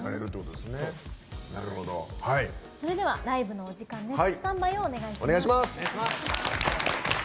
それではライブのお時間です。